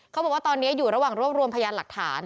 เขาบอกว่าตอนนี้อยู่ระหว่างรวบรวมพยานหลักฐาน